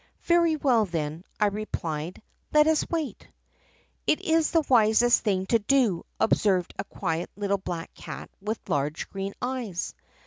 " 'Very well, then,' I replied, 'let us wait/ " 'It is the wisest thing to do,' observed a quiet little black cat with large green eyes.